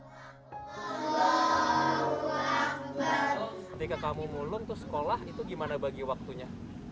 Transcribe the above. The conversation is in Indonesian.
ketika kamu mulung sekolah bagaimana bagi waktunya